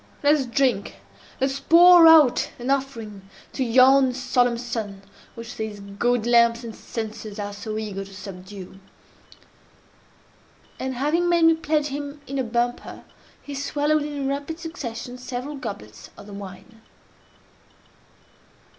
let us drink! Let us pour out an offering to yon solemn sun which these gaudy lamps and censers are so eager to subdue!" And, having made me pledge him in a bumper, he swallowed in rapid succession several goblets of the wine.